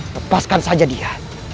lepaskan saja dia